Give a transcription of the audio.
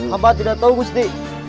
apa tidak tahu gusti